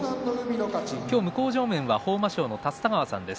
向正面は豊真将の立田川さんです。